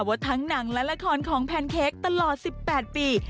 ว่าทั้งหนังและละครของแพนเค้กตลอด๑๘ปี